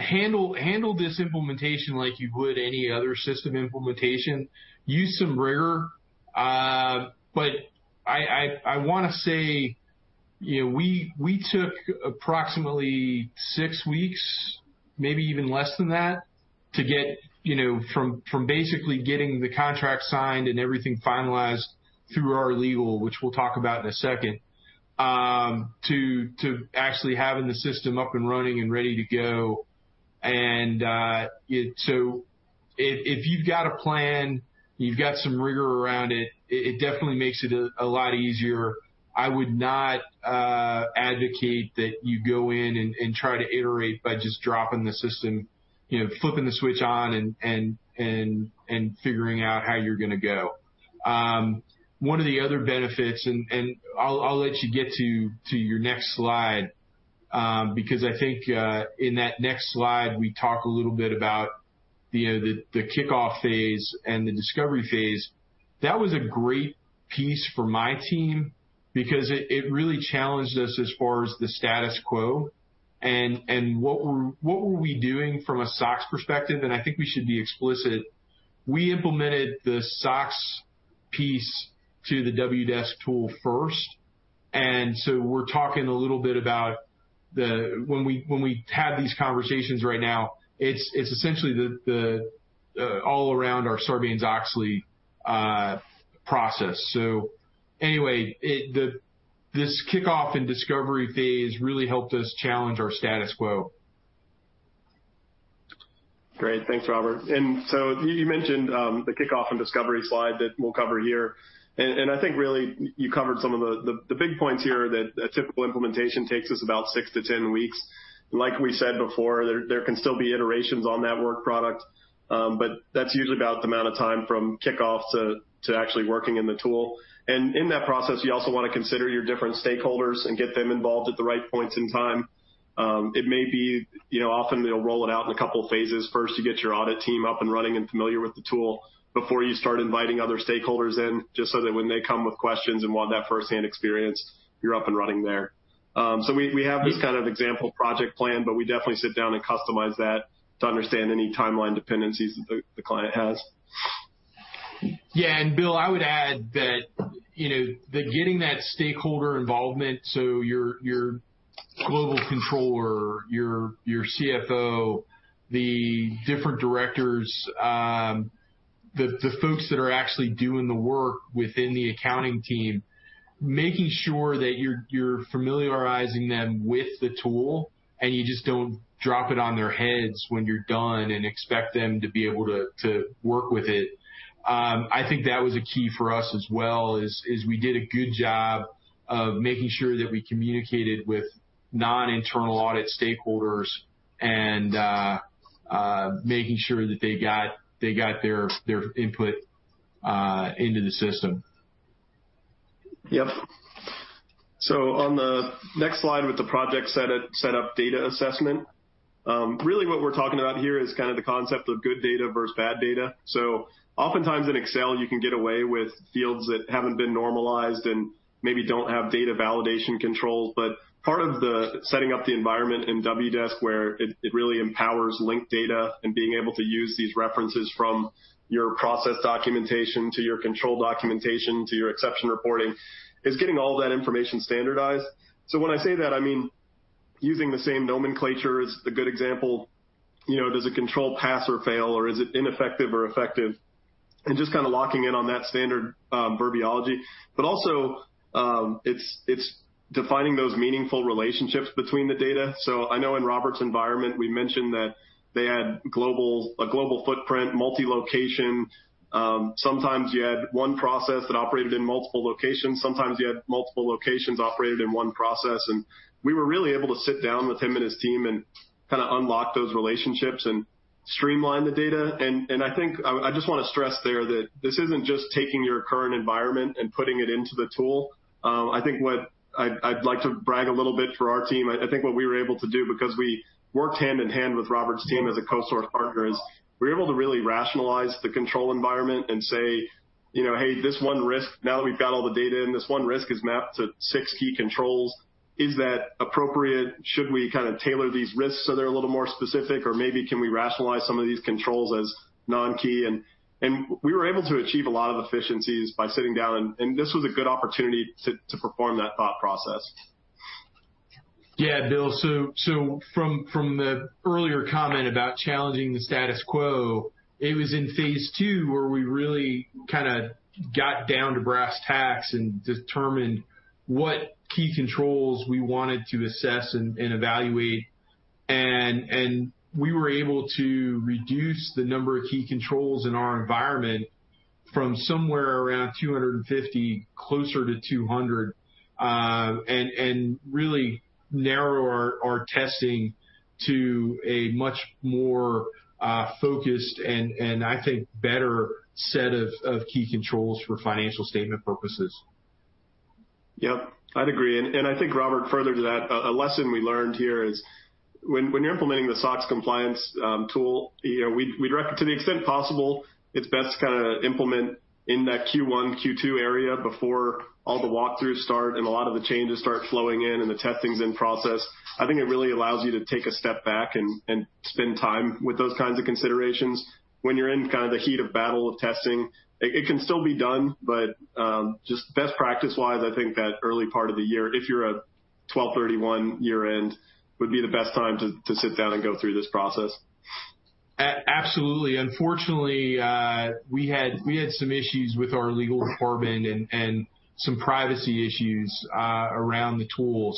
handle this implementation like you would any other system implementation. Use some rigor. But I want to say, we took approximately six weeks, maybe even less than that, from basically getting the contract signed and everything finalized through our legal, which we'll talk about in a second, to actually having the system up and running and ready to go. If you've got a plan, you've got some rigor around it definitely makes it a lot easier. I would not advocate that you go in and try to iterate by just dropping the system, flipping the switch on and figuring out how you're going to go. One of the other benefits, and I'll let you get to your next slide, because I think in that next slide, we talk a little bit about the kickoff phase and the discovery phase. That was a great piece for my team because it really challenged us as far as the status quo and what were we doing from a SOX perspective. I think we should be explicit. We implemented the SOX piece to the Wdesk tool first, we're talking a little bit about when we have these conversations right now, it's essentially the all around our Sarbanes-Oxley process. Anyway, this kickoff and discovery phase really helped us challenge our status quo. Great. Thanks, Robert. You mentioned the kickoff and discovery slide that we'll cover here. I think really you covered some of the big points here, that a typical implementation takes us about six weeks to 10 weeks. Like we said before, there can still be iterations on that work product. That's usually about the amount of time from kickoff to actually working in the tool. In that process, you also want to consider your different stakeholders and get them involved at the right points in time. It may be often they'll roll it out in a couple of phases. First, you get your audit team up and running and familiar with the tool before you start inviting other stakeholders in, just so that when they come with questions and want that first-hand experience, you're up and running there. We have this example project plan, but we definitely sit down and customize that to understand any timeline dependencies that the client has. Yeah. Bill, I would add that getting that stakeholder involvement, so your global controller, your CFO, the different directors, the folks that are actually doing the work within the accounting team, making sure that you're familiarizing them with the tool, and you just don't drop it on their heads when you're done and expect them to be able to work with it. I think that was a key for us as well, is we did a good job of making sure that we communicated with non-internal audit stakeholders and making sure that they got their input into the system. Yep. On the next slide with the project set up data assessment. Really what we're talking about here is the concept of good data versus bad data. Oftentimes in Excel, you can get away with fields that haven't been normalized and maybe don't have data validation controls. But part of the setting up the environment in Wdesk, where it really empowers linked data and being able to use these references from your process documentation to your control documentation to your exception reporting, is getting all that information standardized. When I say that, I mean using the same nomenclature is a good example. Does a control pass or fail, or is it ineffective or effective? Just locking in on that standard verbiology. Also, it's defining those meaningful relationships between the data. I know in Robert's environment, we mentioned that they had a global footprint, multi-location. Sometimes you had one process that operated in multiple locations. Sometimes you had multiple locations operated in one process. We were really able to sit down with him and his team and unlock those relationships and streamline the data. I think I just want to stress there that this isn't just taking your current environment and putting it into the tool. I think what I'd like to brag a little bit for our team, I think what we were able to do, because we worked hand in hand with Robert's team as a co-source partner, is we were able to really rationalize the control environment and say, "Hey, this one risk, now that we've got all the data in, this one risk is mapped to six key controls." Is that appropriate? Should we tailor these risks so they're a little more specific, or maybe can we rationalize some of these controls as non-key? We were able to achieve a lot of efficiencies by sitting down, and this was a good opportunity to perform that thought process. Yeah, Bill. So, from the earlier comment about challenging the status quo, it was in phase II where we really got down to brass tacks and determined what key controls we wanted to assess and evaluate. We were able to reduce the number of key controls in our environment from somewhere around 250, closer to 200, and really narrow our testing to a much more focused and, I think, better set of key controls for financial statement purposes. Yep. I'd agree. I think, Robert, further to that, a lesson we learned here is when you're implementing the SOX compliance tool, to the extent possible, it's best to implement in that Q1, Q2 area before all the walkthroughs start and a lot of the changes start flowing in and the testing's in process. I think it really allows you to take a step back and spend time with those kinds of considerations. When you're in the heat of battle of testing, it can still be done, but just best practice-wise, I think that early part of the year, if you're a 12/31 year-end, would be the best time to sit down and go through this process. Absolutely. Unfortunately, we had some issues with our legal department and some privacy issues around the tool.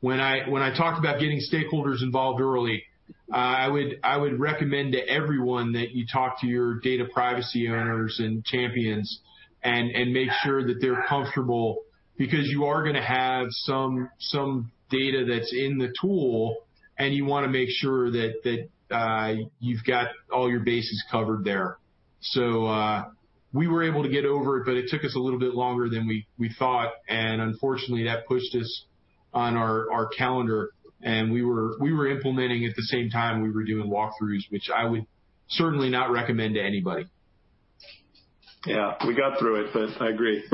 When I talk about getting stakeholders involved early, I would recommend to everyone that you talk to your data privacy owners and champions and make sure that they're comfortable because you are going to have some data that's in the tool, and you want to make sure that you've got all your bases covered there. We were able to get over it, but it took us a little bit longer than we thought, and unfortunately, that pushed us on our calendar, and we were implementing at the same time we were doing walkthroughs, which I would certainly not recommend to anybody. Yeah. We got through it. I agree.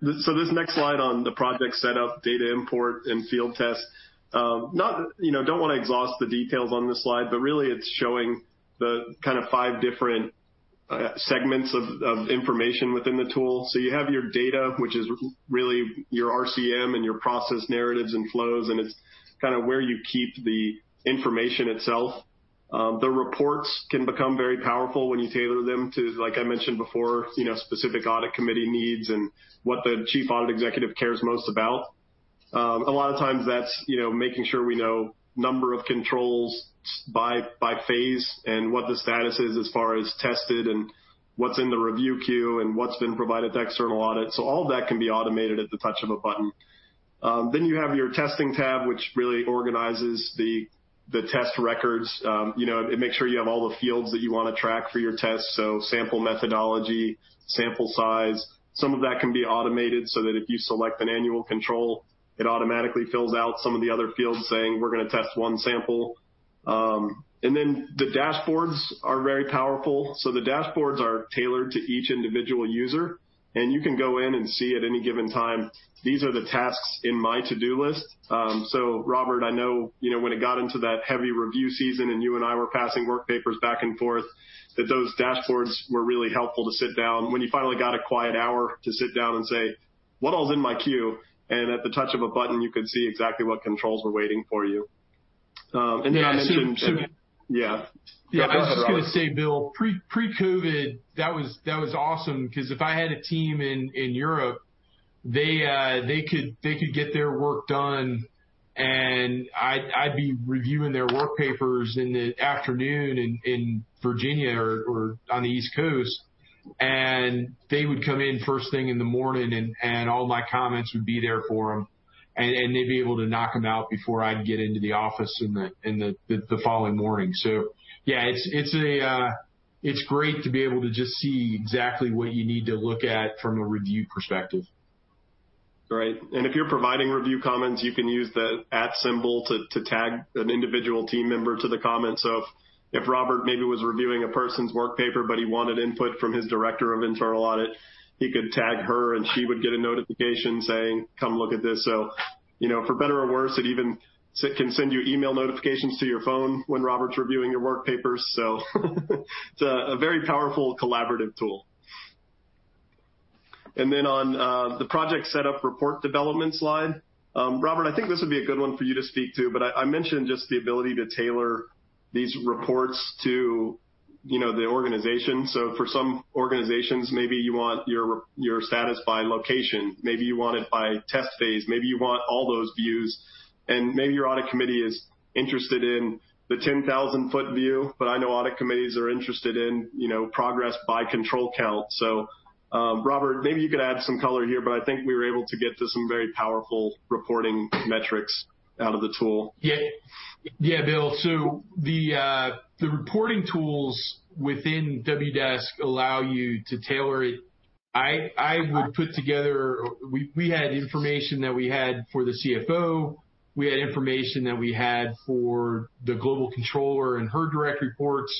This next slide on the project setup, data import, and field test, don't want to exhaust the details on this slide, but really it's showing the five different segments of information within the tool. So, you have your data, which is really your RCM and your process narratives and flows. It's where you keep the information itself. The reports can become very powerful when you tailor them to, like I mentioned before, specific audit committee needs and what the Chief Audit Executive cares most about. A lot of times that's making sure we know number of controls by phase and what the status is as far as tested and what's in the review queue and what's been provided to external audit. All of that can be automated at the touch of a button. Then, you have your testing tab, which really organizes the test records. It makes sure you have all the fields that you want to track for your test, so sample methodology, sample size. Some of that can be automated so that if you select an annual control, it automatically fills out some of the other fields saying we're going to test one sample. The dashboards are very powerful. The dashboards are tailored to each individual user, and you can go in and see at any given time, these are the tasks in my to-do list. Robert, I know when it got into that heavy review season and you and I were passing work papers back and forth, that those dashboards were really helpful to sit down. When you finally got a quiet hour to sit down and say, "What all's in my queue?" At the touch of a button, you could see exactly what controls were waiting for you. I mentioned. Yeah. Yeah. Go ahead, Robert. I was just going to say, Bill, pre-COVID, that was awesome because if I had a team in Europe, they could get their work done, and I'd be reviewing their work papers in the afternoon in Virginia or on the East Coast, and they would come in first thing in the morning, and all my comments would be there for them, and they'd be able to knock them out before I'd get into the office in the following morning. So yeah, it's great to be able to just see exactly what you need to look at from a review perspective. Right. If you're providing review comments, you can use the @ symbol to tag an individual team member to the comment. If Robert maybe was reviewing a person's work paper, but he wanted input from his director of internal audit, he could tag her, and she would get a notification saying, "Come look at this." For better or worse, it even can send you email notifications to your phone when Robert's reviewing your work papers. It's a very powerful collaborative tool. Then on the project setup report development slide, Robert, I think this would be a good one for you to speak to, but I mentioned just the ability to tailor these reports to the organization. For some organizations, maybe you want your status by location, maybe you want it by test phase, maybe you want all those views, and maybe your audit committee is interested in the 10,000-foot view. I know audit committees are interested in progress by control count. Robert, maybe you could add some color here, but I think we were able to get to some very powerful reporting metrics out of the tool. Yeah. Bill, so the reporting tools within Wdesk allow you to tailor it. I would put together. We had information that we had for the CFO. We had information that we had for the global controller and her direct reports.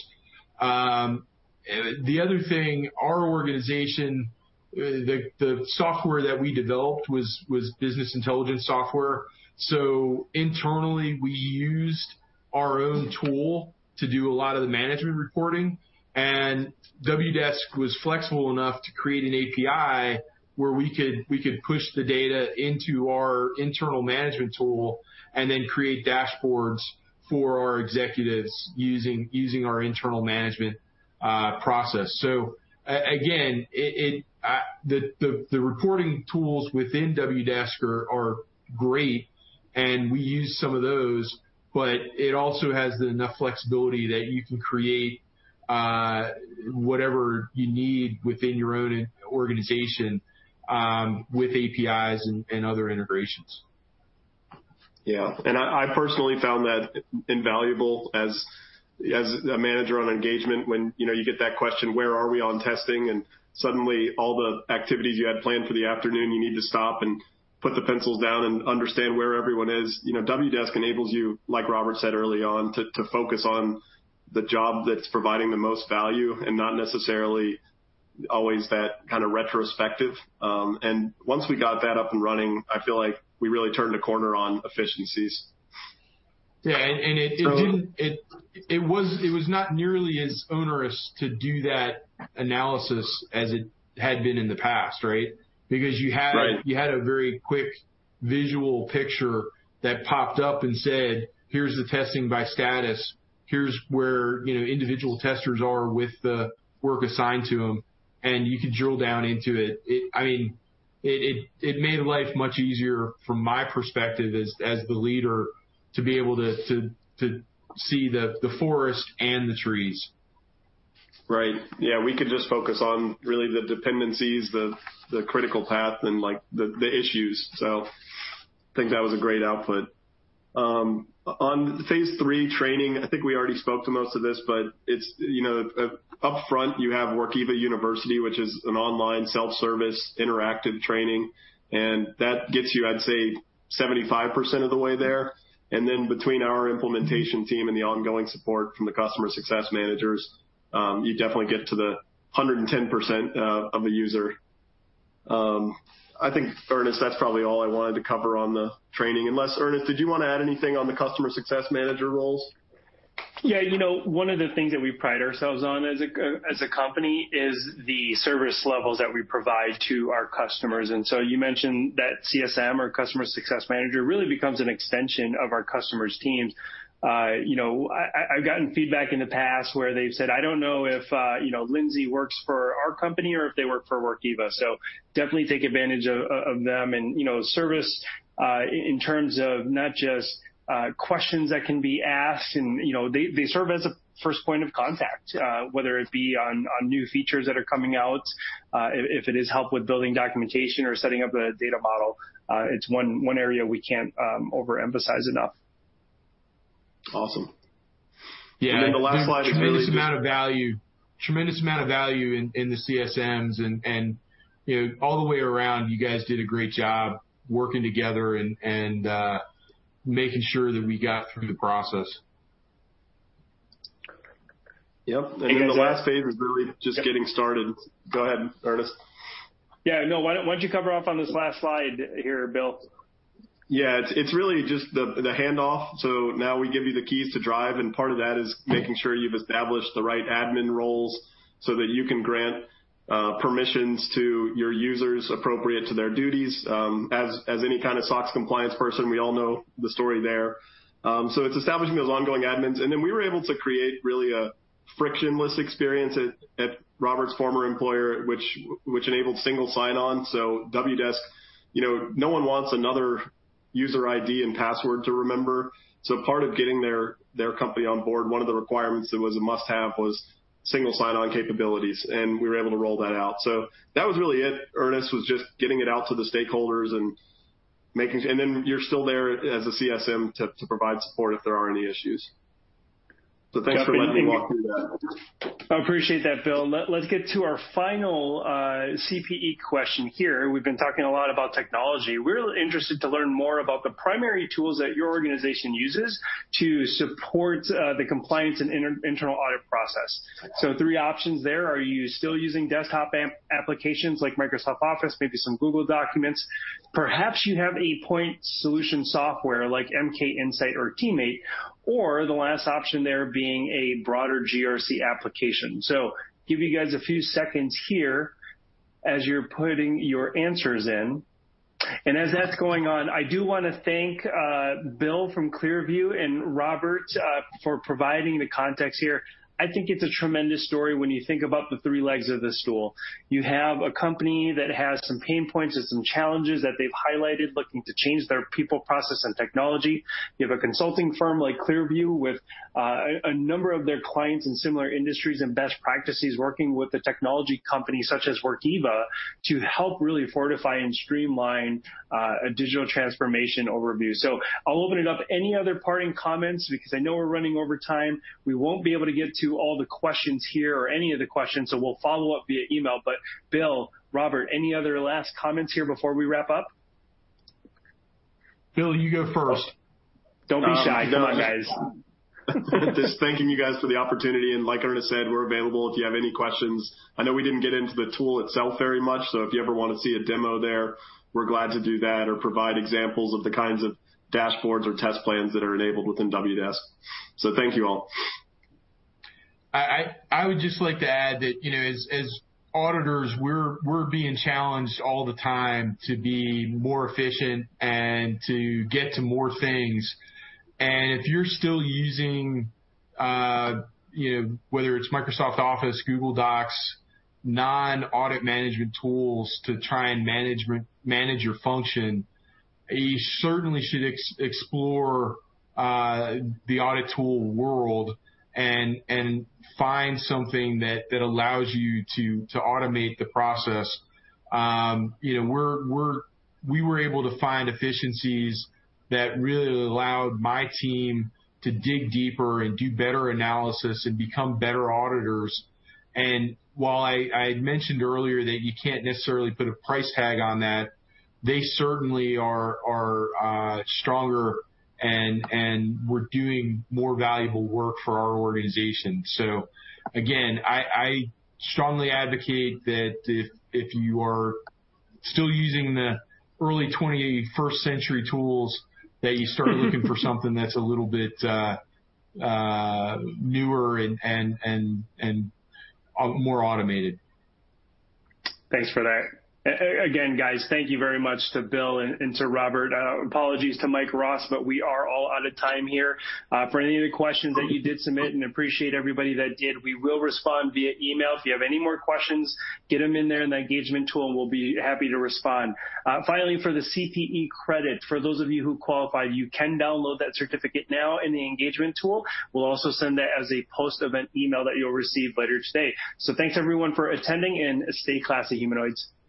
The other thing, our organization, the software that we developed was business intelligence software. Internally, we used our own tool to do a lot of the management reporting, and Wdesk was flexible enough to create an API where we could push the data into our internal management tool and then create dashboards for our executives using our internal management process. Again, the reporting tools within Wdesk are great, and we use some of those, but it also has enough flexibility that you can create whatever you need within your own organization with APIs and other integrations. Yeah. I personally found that invaluable as a manager on engagement when you get that question, where are we on testing? Suddenly all the activities you had planned for the afternoon, you need to stop and put the pencils down and understand where everyone is. Wdesk enables you, like Robert said early on, to focus on the job that's providing the most value and not necessarily always that kind of retrospective. Once we got that up and running, I feel like we really turned a corner on efficiencies. Yeah. It was not nearly as onerous to do that analysis as it had been in the past, right? Right You had a very quick visual picture that popped up and said, "Here's the testing by status. Here's where individual testers are with the work assigned to them." You could drill down into it. It made life much easier from my perspective as the leader, to be able to see the forest and the trees. Right. Yeah. We could just focus on really the dependencies, the critical path, and the issues. So, I think that was a great output. On phase III training, I think we already spoke to most of this, but upfront, you have Workiva University, which is an online self-service interactive training, and that gets you, I'd say, 75% of the way there. Then between our implementation team and the ongoing support from the customer success managers, you definitely get to the 110% of the user. I think, Ernest, that's probably all I wanted to cover on the training, unless, Ernest, did you want to add anything on the customer success manager roles? One of the things that we pride ourselves on as a company is the service levels that we provide to our customers. You mentioned that CSM, or customer success manager, really becomes an extension of our customers' teams. I've gotten feedback in the past where they've said, "I don't know if Lindsay works for our company or if they work for Workiva." Definitely take advantage of them and service, in terms of not just questions that can be asked, and they serve as a first point of contact, whether it be on new features that are coming out, if it is help with building documentation or setting up a data model. It's one area we can't overemphasize enough. Awesome. Yeah. The last slide is. Tremendous amount of value in the CSMs and all the way around, you guys did a great job working together and making sure that we got through the process. Yep. The last phase is really just getting started. Go ahead, Ernest. Yeah, no. Why don't you cover off on this last slide here, Bill? Yeah. It's really just the handoff. So now we give you the keys to drive, and part of that is making sure you've established the right admin roles so that you can grant permissions to your users appropriate to their duties. As any kind of SOX compliance person, we all know the story there. It's establishing those ongoing admins. We were able to create really a frictionless experience at Robert's former employer, which enabled single sign-on. Wdesk, no one wants another user ID and password to remember. Part of getting their company on board, one of the requirements that was a must-have was single sign-on capabilities, and we were able to roll that out. That was really it, Ernest, was just getting it out to the stakeholders and then you're still there as a CSM to provide support if there are any issues. Thanks for letting me walk through that. I appreciate that, Bill. Let's get to our final CPE question here. We've been talking a lot about technology. We're interested to learn more about the primary tools that your organization uses to support the compliance and internal audit process. Three options there. Are you still using desktop applications like Microsoft Office, maybe some Google Docs? Perhaps you have a point solution software like MKinsight or TeamMate, or the last option there being a broader GRC application. Give you guys a few seconds here as you're putting your answers in. As that's going on, I do want to thank Bill from Clearview and Robert for providing the context here. I think it's a tremendous story when you think about the three legs of this stool. You have a company that has some pain points and some challenges that they've highlighted, looking to change their people, process, and technology. You have a consulting firm like Clearview with a number of their clients in similar industries and best practices, working with a technology company such as Workiva to help really fortify and streamline a digital transformation overview. I'll open it up. Any other parting comments, because I know we're running over time. We won't be able to get to all the questions here or any of the questions, so we'll follow up via email. Bill, Robert, any other last comments here before we wrap up? Bill, you go first. Don't be shy. Come on, guys. Just thanking you guys for the opportunity, and like Ernest said, we're available if you have any questions. I know we didn't get into the tool itself very much, so if you ever want to see a demo there, we're glad to do that or provide examples of the kinds of dashboards or test plans that are enabled within Wdesk. Thank you all. I would just like to add that, as auditors, we're being challenged all the time to be more efficient and to get to more things. If you're still using, whether it's Microsoft Office, Google Docs, non-audit management tools to try and manage your function, you certainly should explore the audit tool world and find something that allows you to automate the process. We were able to find efficiencies that really allowed my team to dig deeper and do better analysis and become better auditors. While I had mentioned earlier that you can't necessarily put a price tag on that, they certainly are stronger and we're doing more valuable work for our organization. So again, I strongly advocate that if you are still using the early 21st-century tools, that you start looking for something that's a little bit newer and more automated. Thanks for that. Again, guys, thank you very much to Bill and to Robert. Apologies to Mike Rost, but we are all out of time here. For any of the questions that you did submit, and appreciate everybody that did, we will respond via email. If you have any more questions, get them in there in the engagement tool, and we'll be happy to respond. Finally, for the CPE credit, for those of you who qualified, you can download that certificate now in the engagement tool. We'll also send that as a post-event email that you'll receive later today. Thanks everyone for attending, and stay classy, humanoids.